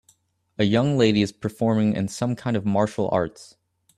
A young lady is performing in some kind of martial arts